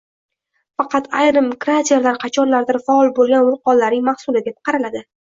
Faqat ayrim kraterlar qachonlardir faol bo'lgan vulqonlarning mahsuli deb qaraladi